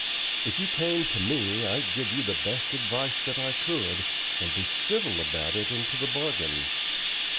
If you came to me I'd give you the best advice that I could, and be civil about it into the bargain.